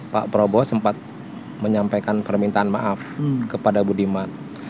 pak prabowo sempat menyampaikan permintaan maaf kepada budiman